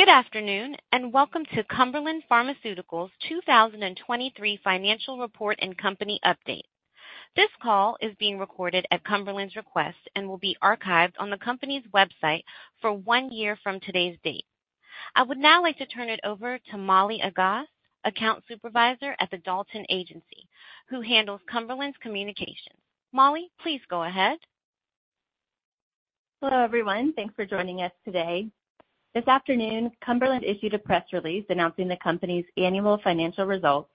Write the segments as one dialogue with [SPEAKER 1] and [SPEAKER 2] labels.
[SPEAKER 1] Good afternoon and welcome to Cumberland Pharmaceuticals' 2023 financial report and company update. This call is being recorded at Cumberland's request and will be archived on the company's website for one year from today's date. I would now like to turn it over to Molly Aggas, account supervisor at the Dalton Agency, who handles Cumberland's communications. Molly, please go ahead.
[SPEAKER 2] Hello everyone. Thanks for joining us today. This afternoon, Cumberland issued a press release announcing the company's annual financial results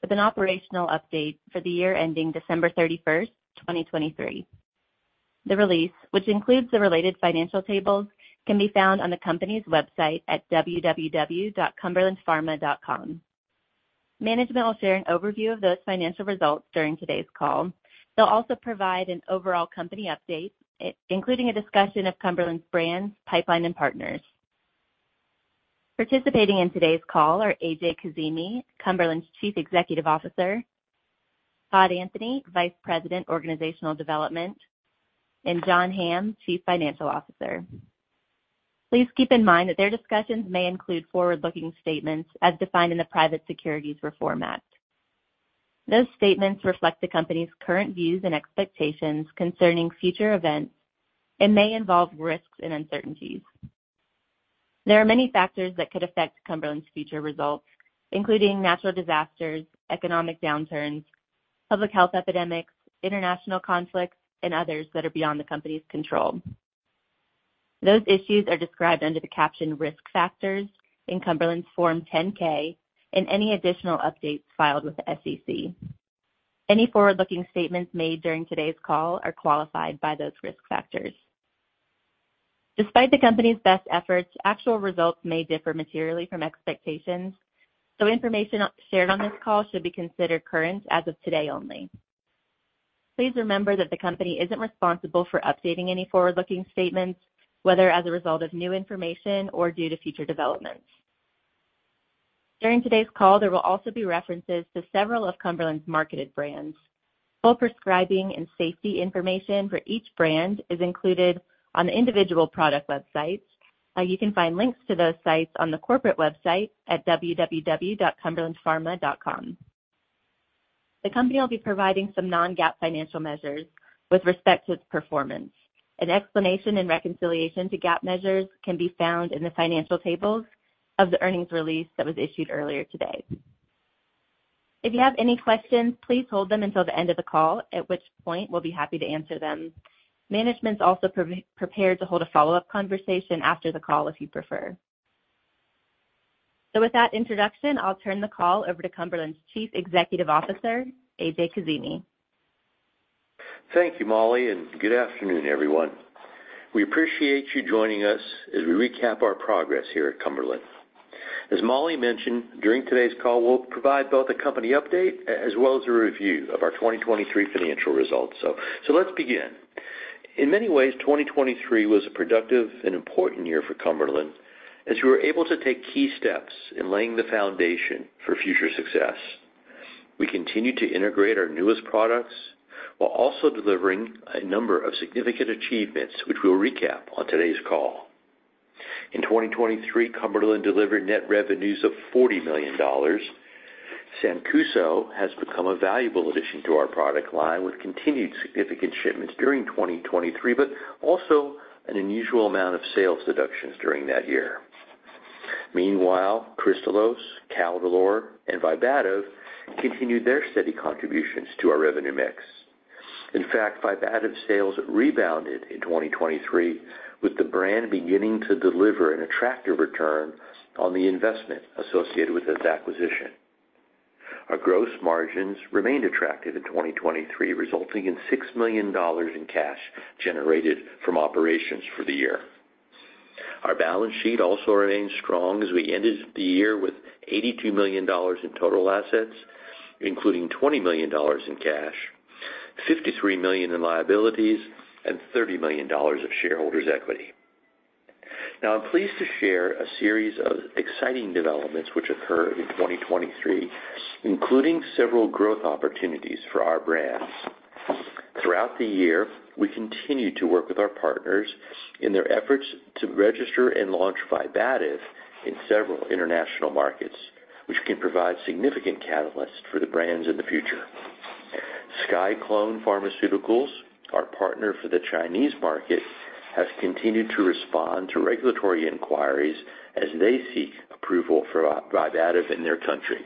[SPEAKER 2] with an operational update for the year ending December 31st, 2023. The release, which includes the related financial tables, can be found on the company's website at www.cumberlandpharma.com. Management will share an overview of those financial results during today's call. They'll also provide an overall company update, including a discussion of Cumberland's brand, pipeline, and partners. Participating in today's call are A.J. Kazimi, Cumberland's Chief Executive Officer; Todd Anthony, Vice President, Organizational Development; and John Hamm, Chief Financial Officer. Please keep in mind that their discussions may include forward-looking statements as defined in the Private Securities Litigation Reform Act. Those statements reflect the company's current views and expectations concerning future events and may involve risks and uncertainties. There are many factors that could affect Cumberland's future results, including natural disasters, economic downturns, public health epidemics, international conflicts, and others that are beyond the company's control. Those issues are described under the caption "Risk Factors" in Cumberland's Form 10-K and any additional updates filed with the SEC. Any forward-looking statements made during today's call are qualified by those risk factors. Despite the company's best efforts, actual results may differ materially from expectations, so information shared on this call should be considered current as of today only. Please remember that the company isn't responsible for updating any forward-looking statements, whether as a result of new information or due to future developments. During today's call, there will also be references to several of Cumberland's marketed brands. Full prescribing and safety information for each brand is included on the individual product websites. You can find links to those sites on the corporate website at www.cumberlandpharma.com. The company will be providing some non-GAAP financial measures with respect to its performance. An explanation and reconciliation to GAAP measures can be found in the financial tables of the earnings release that was issued earlier today. If you have any questions, please hold them until the end of the call, at which point we'll be happy to answer them. Management's also prepared to hold a follow-up conversation after the call if you prefer. With that introduction, I'll turn the call over to Cumberland's Chief Executive Officer, A.J. Kazimi.
[SPEAKER 3] Thank you, Molly, and good afternoon, everyone. We appreciate you joining us as we recap our progress here at Cumberland. As Molly mentioned, during today's call, we'll provide both a company update as well as a review of our 2023 financial results. Let's begin. In many ways, 2023 was a productive and important year for Cumberland as we were able to take key steps in laying the foundation for future success. We continue to integrate our newest products while also delivering a number of significant achievements, which we'll recap on today's call. In 2023, Cumberland delivered net revenues of $40 million. Sancuso has become a valuable addition to our product line with continued significant shipments during 2023, but also an unusual amount of sales deductions during that year. Meanwhile, Kristalose, Caldolor, and Vibativ continued their steady contributions to our revenue mix. In fact, Vibativ's sales rebounded in 2023 with the brand beginning to deliver an attractive return on the investment associated with its acquisition. Our gross margins remained attractive in 2023, resulting in $6 million in cash generated from operations for the year. Our balance sheet also remained strong as we ended the year with $82 million in total assets, including $20 million in cash, $53 million in liabilities, and $30 million of shareholders' equity. Now, I'm pleased to share a series of exciting developments which occurred in 2023, including several growth opportunities for our brands. Throughout the year, we continue to work with our partners in their efforts to register and launch Vibativ in several international markets, which can provide significant catalysts for the brands in the future. SciClone Pharmaceuticals, our partner for the Chinese market, has continued to respond to regulatory inquiries as they seek approval for Vibativ in their country.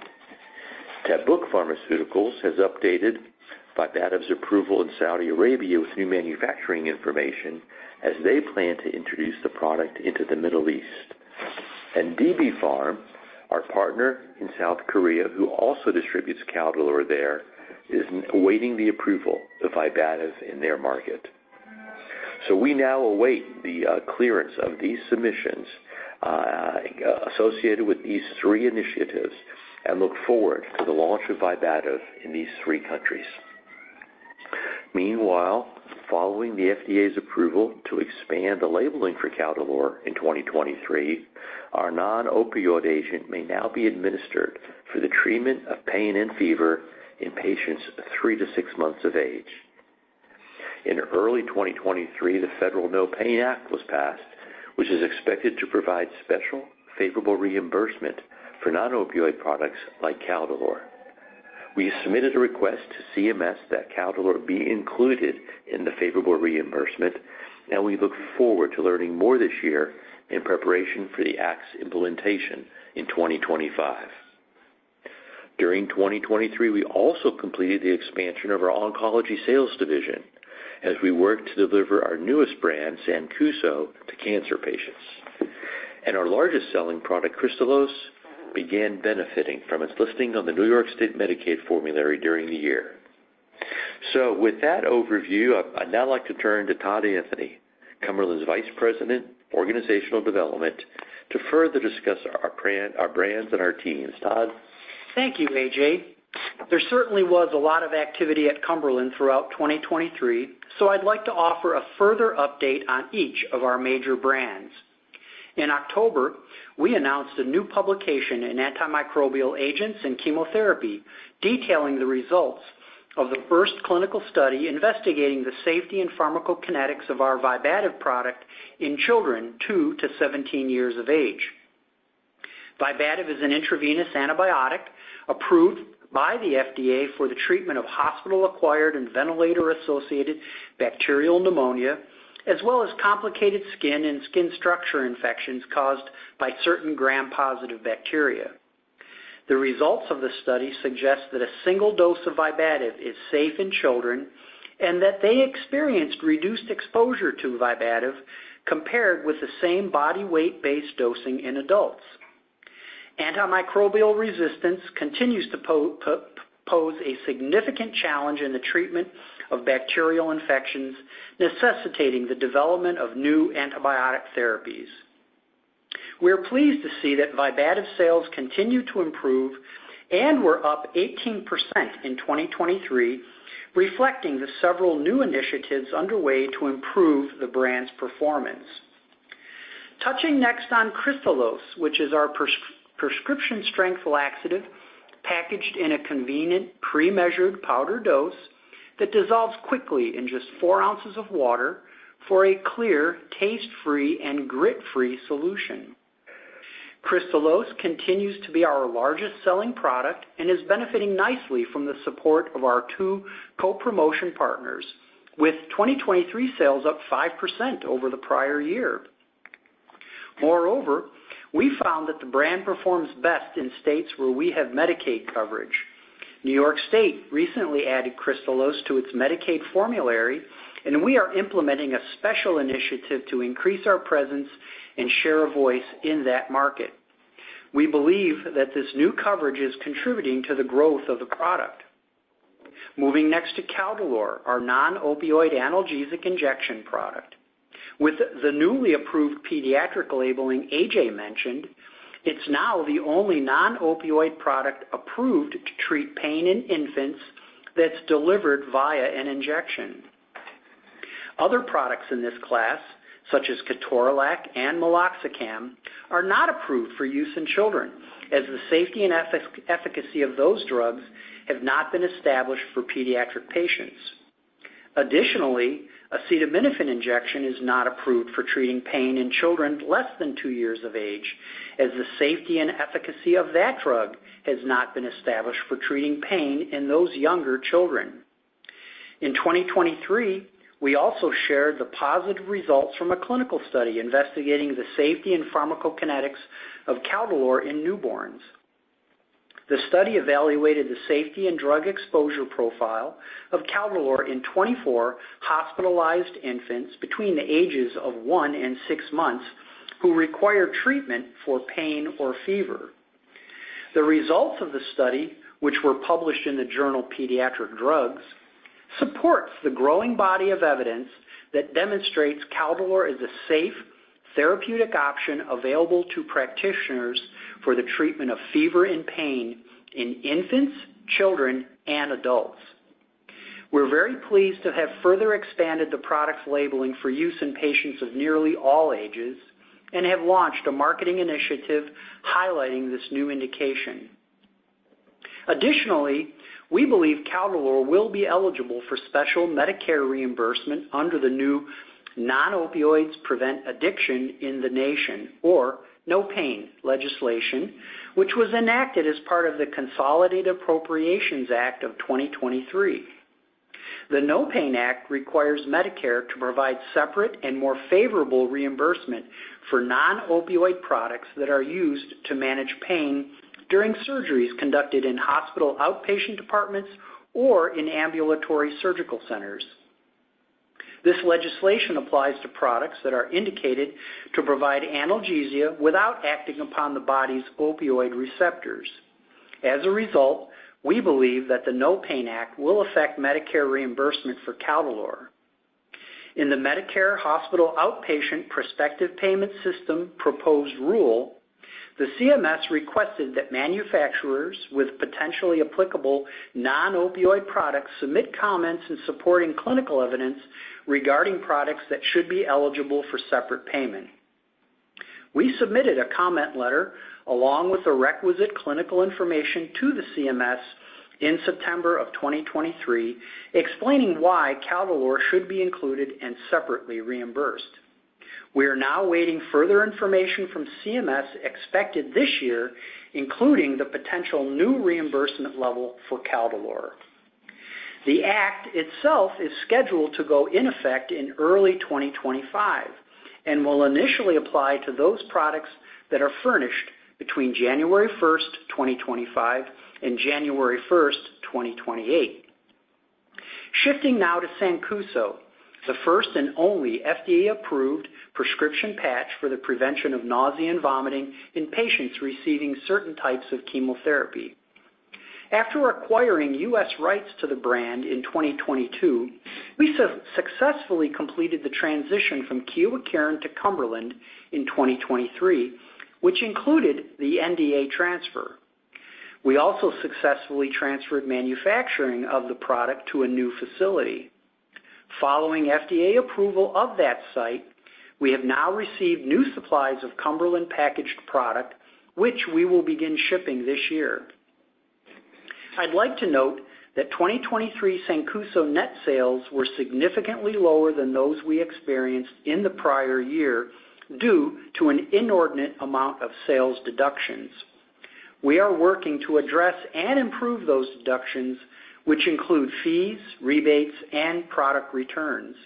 [SPEAKER 3] Tabuk Pharmaceuticals has updated Vibativ's approval in Saudi Arabia with new manufacturing information as they plan to introduce the product into the Middle East. And DB Pharm, our partner in South Korea who also distributes Caldolor there, is awaiting the approval of Vibativ in their market. So we now await the clearance of these submissions associated with these three initiatives and look forward to the launch of Vibativ in these three countries. Meanwhile, following the FDA's approval to expand the labeling for Caldolor in 2023, our non-opioid agent may now be administered for the treatment of pain and fever in patients three-six months of age. In early 2023, the NOPAIN Act was passed, which is expected to provide special favorable reimbursement for non-opioid products like Caldolor. We submitted a request to CMS that Caldolor be included in the favorable reimbursement, and we look forward to learning more this year in preparation for the act's implementation in 2025. During 2023, we also completed the expansion of our oncology sales division as we worked to deliver our newest brand, Sancuso, to cancer patients. Our largest selling product, Kristalose, began benefiting from its listing on the New York State Medicaid formulary during the year. So with that overview, I'd now like to turn to Todd Anthony, Cumberland's Vice President, Organizational Development, to further discuss our brands and our teams. Todd?
[SPEAKER 4] Thank you, A.J. There certainly was a lot of activity at Cumberland throughout 2023, so I'd like to offer a further update on each of our major brands. In October, we announced a new publication in Antimicrobial Agents and Chemotherapy detailing the results of the first clinical study investigating the safety and pharmacokinetics of our Vibativ product in children 2-17 years of age. Vibativ is an intravenous antibiotic approved by the FDA for the treatment of hospital-acquired and ventilator-associated bacterial pneumonia, as well as complicated skin and skin structure infections caused by certain Gram-positive bacteria. The results of the study suggest that a single dose of Vibativ is safe in children and that they experienced reduced exposure to Vibativ compared with the same body weight-based dosing in adults. Antimicrobial resistance continues to pose a significant challenge in the treatment of bacterial infections necessitating the development of new antibiotic therapies. We're pleased to see that Vibativ sales continue to improve and were up 18% in 2023, reflecting the several new initiatives underway to improve the brand's performance. Touching next on Kristalose, which is our prescription-strength laxative packaged in a convenient, pre-measured powder dose that dissolves quickly in just four ounces of water for a clear, taste-free, and grit-free solution. Kristalose continues to be our largest selling product and is benefiting nicely from the support of our two co-promotion partners, with 2023 sales up 5% over the prior year. Moreover, we found that the brand performs best in states where we have Medicaid coverage. New York State recently added Kristalose to its Medicaid formulary, and we are implementing a special initiative to increase our presence and share a voice in that market. We believe that this new coverage is contributing to the growth of the product. Moving next to Caldolor, our non-opioid analgesic injection product. With the newly approved pediatric labeling A.J. mentioned, it's now the only non-opioid product approved to treat pain in infants that's delivered via an injection. Other products in this class, such as ketorolac and meloxicam, are not approved for use in children as the safety and efficacy of those drugs have not been established for pediatric patients. Additionally, acetaminophen injection is not approved for treating pain in children less than two years of age as the safety and efficacy of that drug has not been established for treating pain in those younger children. In 2023, we also shared the positive results from a clinical study investigating the safety and pharmacokinetics of Caldolor in newborns. The study evaluated the safety and drug exposure profile of Caldolor in 24 hospitalized infants between the ages of one and six months who required treatment for pain or fever. The results of the study, which were published in the journal Pediatric Drugs, support the growing body of evidence that demonstrates Caldolor is a safe, therapeutic option available to practitioners for the treatment of fever and pain in infants, children, and adults. We're very pleased to have further expanded the product's labeling for use in patients of nearly all ages and have launched a marketing initiative highlighting this new indication. Additionally, we believe Caldolor will be eligible for special Medicare reimbursement under the new Non-Opioids Prevent Addiction in the Nation or NoPain legislation, which was enacted as part of the Consolidated Appropriations Act of 2023. The NoPain Act requires Medicare to provide separate and more favorable reimbursement for non-opioid products that are used to manage pain during surgeries conducted in hospital outpatient departments or in ambulatory surgical centers. This legislation applies to products that are indicated to provide analgesia without acting upon the body's opioid receptors. As a result, we believe that the NoPain Act will affect Medicare reimbursement for Caldolor. In the Medicare Hospital Outpatient Prospective Payment System proposed rule, the CMS requested that manufacturers with potentially applicable non-opioid products submit comments in supporting clinical evidence regarding products that should be eligible for separate payment. We submitted a comment letter along with the requisite clinical information to the CMS in September of 2023 explaining why Caldolor should be included and separately reimbursed. We are now waiting further information from CMS expected this year, including the potential new reimbursement level for Caldolor. The act itself is scheduled to go in effect in early 2025 and will initially apply to those products that are furnished between January 1st, 2025, and January 1st, 2028. Shifting now to Sancuso, the first and only FDA-approved prescription patch for the prevention of nausea and vomiting in patients receiving certain types of chemotherapy. After acquiring U.S. rights to the brand in 2022, we successfully completed the transition from Kyowa Kirin to Cumberland in 2023, which included the NDA transfer. We also successfully transferred manufacturing of the product to a new facility. Following FDA approval of that site, we have now received new supplies of Cumberland packaged product, which we will begin shipping this year. I'd like to note that 2023 Sancuso net sales were significantly lower than those we experienced in the prior year due to an inordinate amount of sales deductions. We are working to address and improve those deductions, which include fees, rebates, and product returns.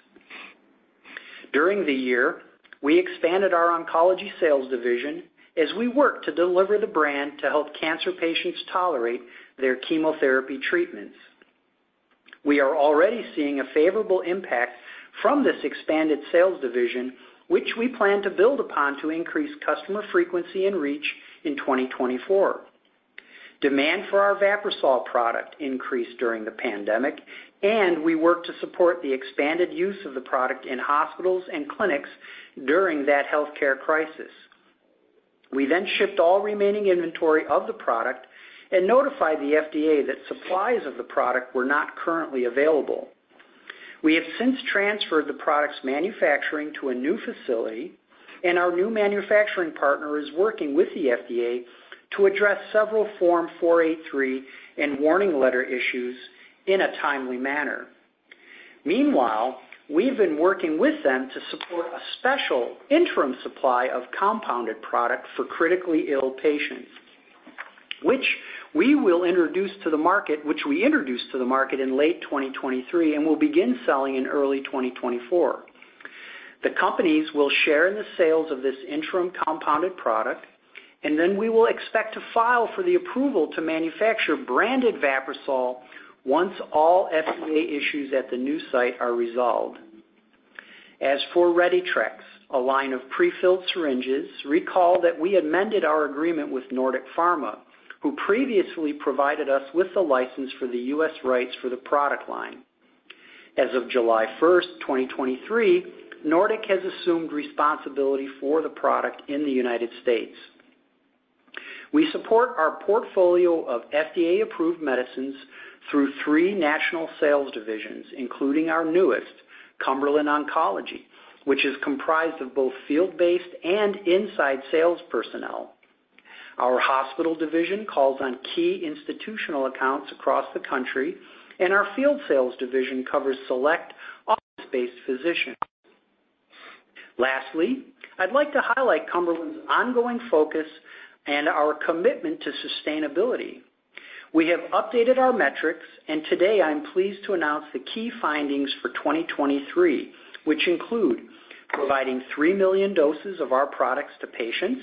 [SPEAKER 4] During the year, we expanded our oncology sales division as we worked to deliver the brand to help cancer patients tolerate their chemotherapy treatments. We are already seeing a favorable impact from this expanded sales division, which we plan to build upon to increase customer frequency and reach in 2024. Demand for our Vaprisol product increased during the pandemic, and we worked to support the expanded use of the product in hospitals and clinics during that healthcare crisis. We then shipped all remaining inventory of the product and notified the FDA that supplies of the product were not currently available. We have since transferred the product's manufacturing to a new facility, and our new manufacturing partner is working with the FDA to address several Form 483 and warning letter issues in a timely manner. Meanwhile, we've been working with them to support a special interim supply of compounded product for critically ill patients, which we will introduce to the market, which we introduced to the market in late 2023 and will begin selling in early 2024. The companies will share in the sales of this interim compounded product, and then we will expect to file for the approval to manufacture branded Vaprisol once all FDA issues at the new site are resolved. As for RediTrex, a line of prefilled syringes, recall that we amended our agreement with Nordic Pharma, who previously provided us with the license for the U.S. rights for the product line. As of July 1st, 2023, Nordic has assumed responsibility for the product in the United States. We support our portfolio of FDA-approved medicines through three national sales divisions, including our newest, Cumberland Oncology, which is comprised of both field-based and inside sales personnel. Our hospital division calls on key institutional accounts across the country, and our field sales division covers select office-based physicians. Lastly, I'd like to highlight Cumberland's ongoing focus and our commitment to sustainability. We have updated our metrics, and today I'm pleased to announce the key findings for 2023, which include providing three million doses of our products to patients,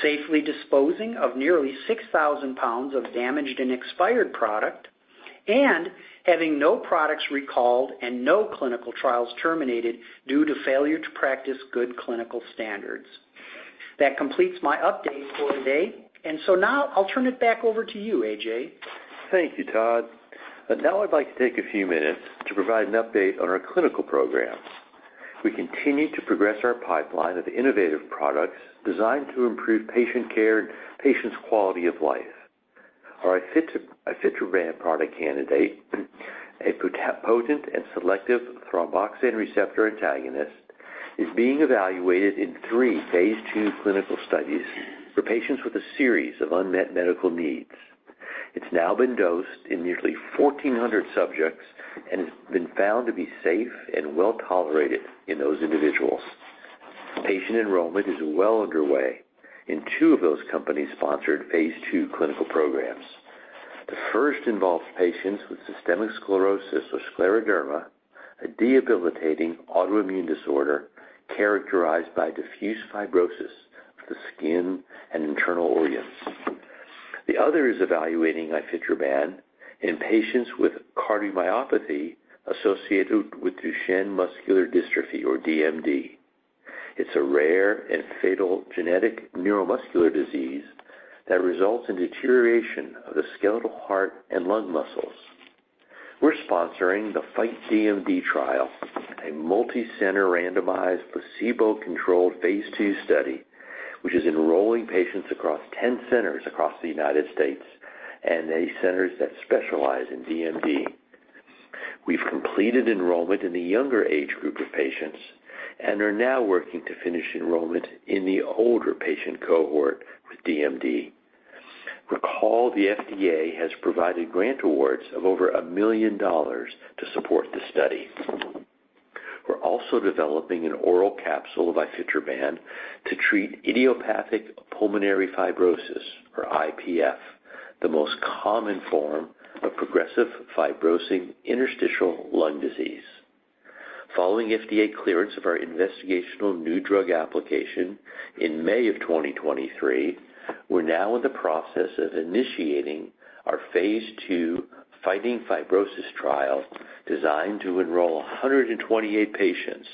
[SPEAKER 4] safely disposing of nearly 6,000 pounds of damaged and expired product, and having no products recalled and no clinical trials terminated due to failure to practice good clinical standards. That completes my update for today, and so now I'll turn it back over to you, A.J.
[SPEAKER 3] Thank you, Todd. Now I'd like to take a few minutes to provide an update on our clinical program. We continue to progress our pipeline of innovative products designed to improve patient care and patients' quality of life. Our Ifetroban product candidate, a potent and selective thromboxane receptor antagonist, is being evaluated in three phase II clinical studies for patients with a series of unmet medical needs. It's now been dosed in nearly 1,400 subjects and has been found to be safe and well tolerated in those individuals. Patient enrollment is well underway in two of those company-sponsored phase II clinical programs. The first involves patients with Systemic Sclerosis or Scleroderma, a debilitating autoimmune disorder characterized by diffuse fibrosis of the skin and internal organs. The other is evaluating Ifetroban in patients with cardiomyopathy associated with Duchenne Muscular Dystrophy or DMD. It's a rare and fatal genetic neuromuscular disease that results in deterioration of the skeletal heart and lung muscles. We're sponsoring the FIGHT DMD trial, a multi-center randomized placebo-controlled phase II study, which is enrolling patients across 10 centers across the United States and the centers that specialize in DMD. We've completed enrollment in the younger age group of patients and are now working to finish enrollment in the older patient cohort with DMD. Recall the FDA has provided grant awards of over $1 million to support the study. We're also developing an oral capsule of Ifetroban to treat idiopathic pulmonary fibrosis or IPF, the most common form of progressive fibrosing interstitial lung disease. Following FDA clearance of our investigational new drug application in May of 2023, we're now in the process of initiating our phase II Fighting Fibrosis trial designed to enroll 128 patients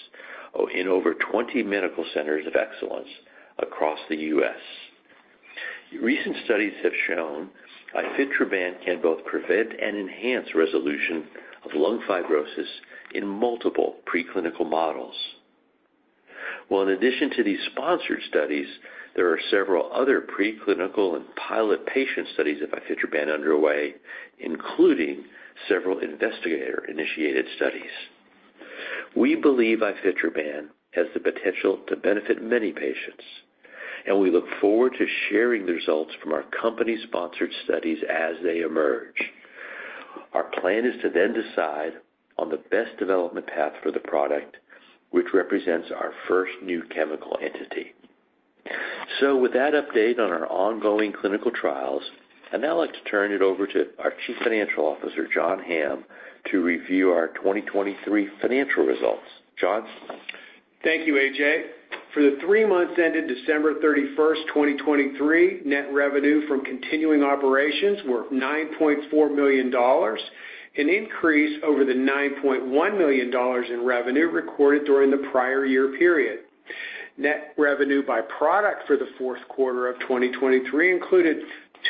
[SPEAKER 3] in over 20 medical centers of excellence across the U.S. Recent studies have shown Ifetroban can both prevent and enhance resolution of lung fibrosis in multiple preclinical models. While in addition to these sponsored studies, there are several other preclinical and pilot patient studies of Ifetroban underway, including several investigator-initiated studies. We believe Ifetroban has the potential to benefit many patients, and we look forward to sharing the results from our company-sponsored studies as they emerge. Our plan is to then decide on the best development path for the product, which represents our first new chemical entity. So with that update on our ongoing clinical trials, I'd now like to turn it over to our Chief Financial Officer, John Hamm, to review our 2023 financial results. John?
[SPEAKER 5] Thank you, A.J. For the three months ended December 31st, 2023, net revenue from continuing operations worth $9.4 million, an increase over the $9.1 million in revenue recorded during the prior year period. Net revenue by product for the fourth quarter of 2023 included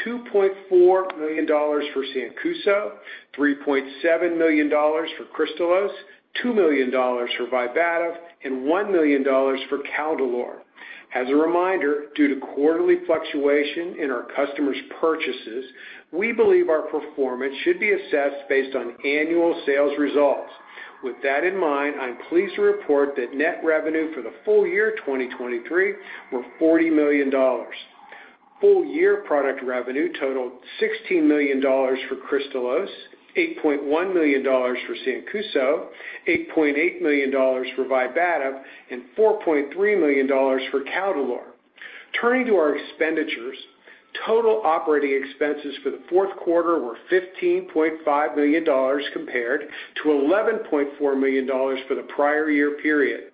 [SPEAKER 5] $2.4 million for Sancuso, $3.7 million for Kristalose, $2 million for Vibativ, and $1 million for Caldolor. As a reminder, due to quarterly fluctuation in our customers' purchases, we believe our performance should be assessed based on annual sales results. With that in mind, I'm pleased to report that net revenue for the full year 2023 were $40 million. Full year product revenue totaled $16 million for Kristalose, $8.1 million for Sancuso, $8.8 million for Vibativ, and $4.3 million for Caldolor. Turning to our expenditures, total operating expenses for the fourth quarter were $15.5 million compared to $11.4 million for the prior year period.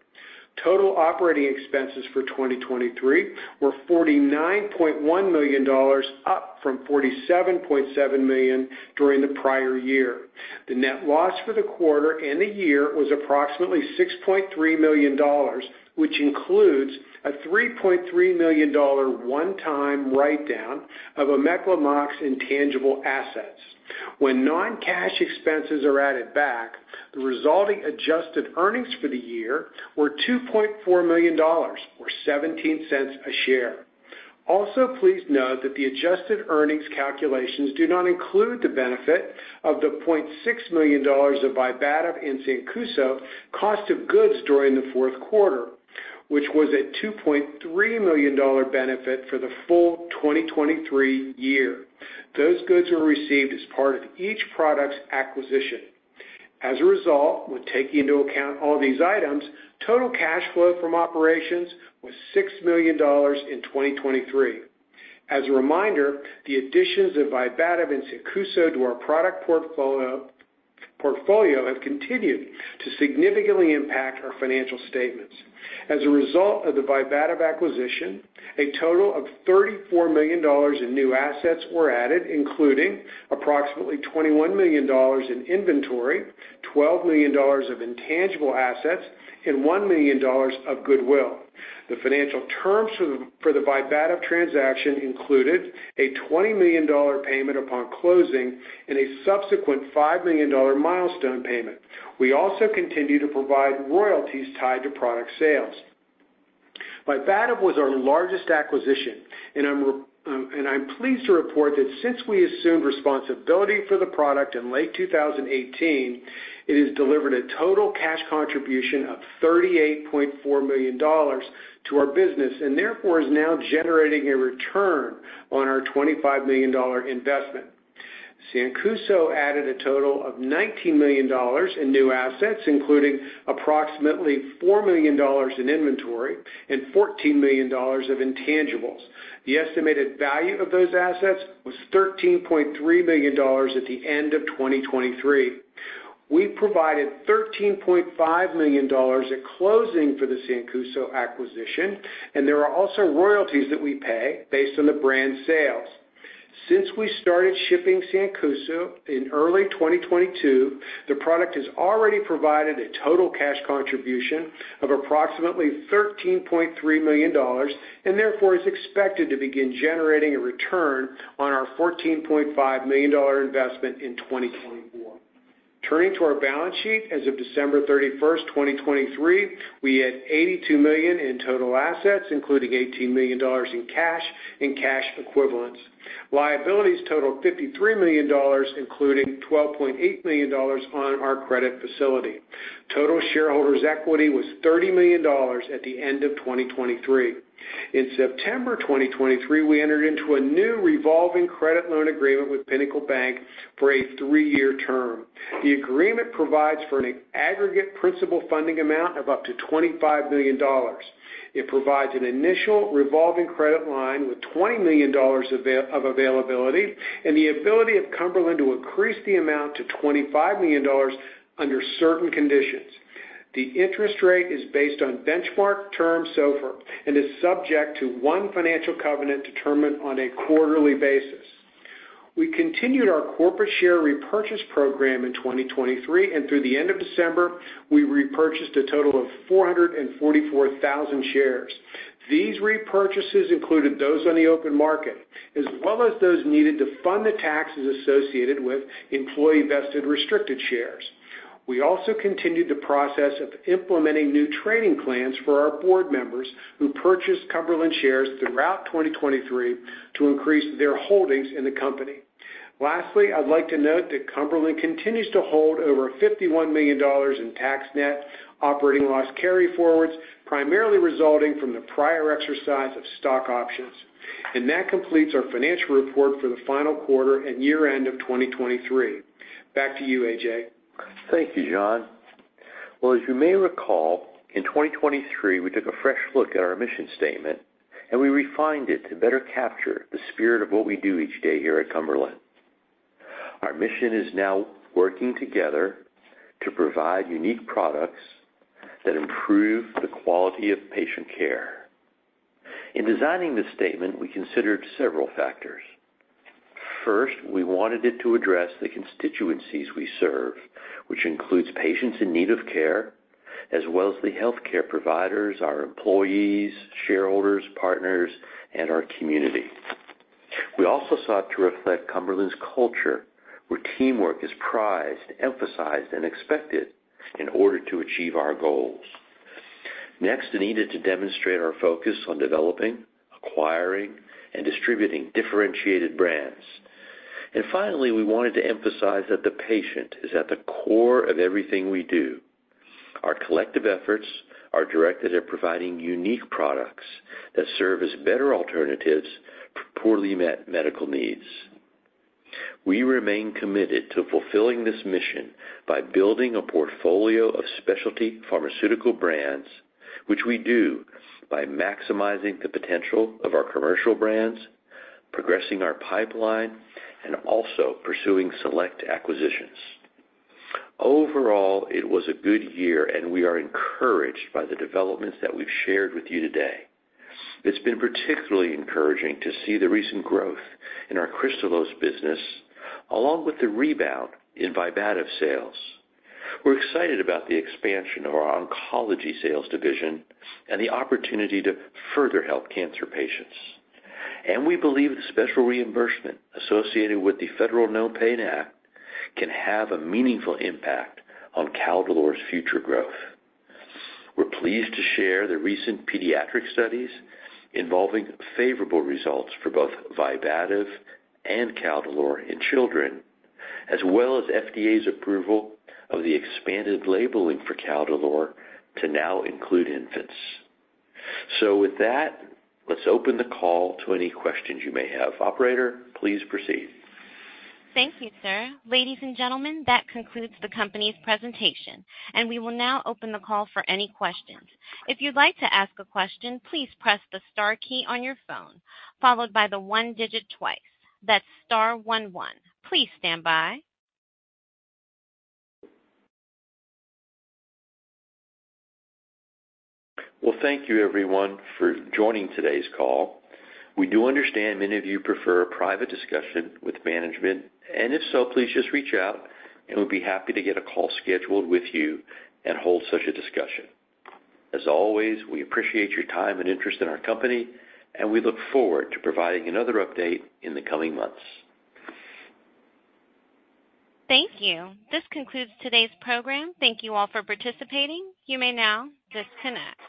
[SPEAKER 5] Total operating expenses for 2023 were $49.1 million, up from $47.7 million during the prior year. The net loss for the quarter and the year was approximately $6.3 million, which includes a $3.3 million one-time write-down of Omeclamox intangible assets. When non-cash expenses are added back, the resulting adjusted earnings for the year were $2.4 million or $0.17 a share. Also, please note that the adjusted earnings calculations do not include the benefit of the $0.6 million of Vibativ and Sancuso cost of goods during the fourth quarter, which was a $2.3 million benefit for the full 2023 year. Those goods were received as part of each product's acquisition. As a result, when taking into account all these items, total cash flow from operations was $6 million in 2023. As a reminder, the additions of Vibativ and Sancuso to our product portfolio have continued to significantly impact our financial statements. As a result of the Vibativ acquisition, a total of $34 million in new assets were added, including approximately $21 million in inventory, $12 million of intangible assets, and $1 million of goodwill. The financial terms for the Vibativ transaction included a $20 million payment upon closing and a subsequent $5 million milestone payment. We also continue to provide royalties tied to product sales. Vibativ was our largest acquisition, and I'm pleased to report that since we assumed responsibility for the product in late 2018, it has delivered a total cash contribution of $38.4 million to our business and therefore is now generating a return on our $25 million investment. Sancuso added a total of $19 million in new assets, including approximately $4 million in inventory and $14 million of intangibles. The estimated value of those assets was $13.3 million at the end of 2023. We provided $13.5 million at closing for the Sancuso acquisition, and there are also royalties that we pay based on the brand sales. Since we started shipping Sancuso in early 2022, the product has already provided a total cash contribution of approximately $13.3 million and therefore is expected to begin generating a return on our $14.5 million investment in 2024. Turning to our balance sheet, as of December 31st, 2023, we had $82 million in total assets, including $18 million in cash and cash equivalents. Liabilities totaled $53 million, including $12.8 million on our credit facility. Total shareholders' equity was $30 million at the end of 2023. In September 2023, we entered into a new revolving credit loan agreement with Pinnacle Bank for a three-year term. The agreement provides for an aggregate principal funding amount of up to $25 million. It provides an initial revolving credit line with $20 million of availability and the ability of Cumberland to increase the amount to $25 million under certain conditions. The interest rate is based on benchmark terms SOFR and is subject to one financial covenant determined on a quarterly basis. We continued our corporate share repurchase program in 2023, and through the end of December, we repurchased a total of 444,000 shares. These repurchases included those on the open market as well as those needed to fund the taxes associated with employee vested restricted shares. We also continued the process of implementing new trading plans for our board members who purchased Cumberland shares throughout 2023 to increase their holdings in the company. Lastly, I'd like to note that Cumberland continues to hold over $51 million in tax net operating loss carryforwards, primarily resulting from the prior exercise of stock options. That completes our financial report for the final quarter and year-end of 2023. Back to you, A.J.
[SPEAKER 3] Thank you, John. Well, as you may recall, in 2023, we took a fresh look at our mission statement, and we refined it to better capture the spirit of what we do each day here at Cumberland. Our mission is now working together to provide unique products that improve the quality of patient care. In designing this statement, we considered several factors. First, we wanted it to address the constituencies we serve, which includes patients in need of care as well as the healthcare providers, our employees, shareholders, partners, and our community. We also sought to reflect Cumberland's culture, where teamwork is prized, emphasized, and expected in order to achieve our goals. Next, it needed to demonstrate our focus on developing, acquiring, and distributing differentiated brands. Finally, we wanted to emphasize that the patient is at the core of everything we do. Our collective efforts are directed at providing unique products that serve as better alternatives for poorly met medical needs. We remain committed to fulfilling this mission by building a portfolio of specialty pharmaceutical brands, which we do by maximizing the potential of our commercial brands, progressing our pipeline, and also pursuing select acquisitions. Overall, it was a good year, and we are encouraged by the developments that we've shared with you today. It's been particularly encouraging to see the recent growth in our Kristalose business along with the rebound in Vibativ sales. We're excited about the expansion of our oncology sales division and the opportunity to further help cancer patients. We believe the special reimbursement associated with the federal NOPAIN Act can have a meaningful impact on Caldolor’s future growth. We're pleased to share the recent pediatric studies involving favorable results for both Vibativ and Caldolor in children, as well as FDA's approval of the expanded labeling for Caldolor to now include infants. With that, let's open the call to any questions you may have. Operator, please proceed.
[SPEAKER 1] Thank you, sir. Ladies and gentlemen, that concludes the company's presentation, and we will now open the call for any questions. If you'd like to ask a question, please press the star key on your phone followed by the one digit twice. That's star one one. Please stand by.
[SPEAKER 3] Well, thank you, everyone, for joining today's call. We do understand many of you prefer private discussion with management, and if so, please just reach out, and we'd be happy to get a call scheduled with you and hold such a discussion. As always, we appreciate your time and interest in our company, and we look forward to providing another update in the coming months.
[SPEAKER 1] Thank you. This concludes today's program. Thank you all for participating. You may now disconnect.